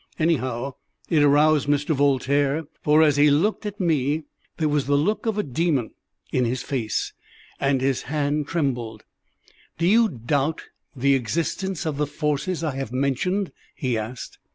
Anyhow it aroused Mr. Voltaire, for, as he looked at me, there was the look of a demon in his face, and his hand trembled. "Do you doubt the existence of the forces I have mentioned?" he asked.